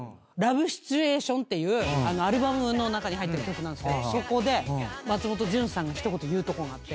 ていうアルバムの中に入ってる曲なんですけどそこで松本潤さんが一言言うとこがあって。